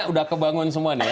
udah kebangun semua nih